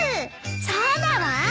そうだわ！